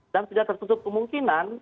dan tidak terkutuk kemungkinan